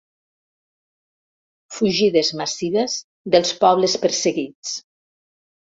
Fugides massives dels pobles perseguits.